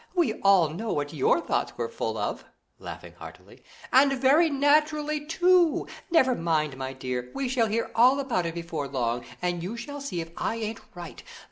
We all know what your thoughts were full of" (laughing heartily), "and very naturally, too. Never mind, my dear, we shall hear all about it before long, and you shall see if I ain't right.